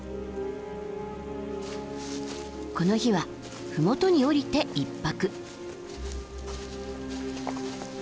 この日は麓に下りて一泊。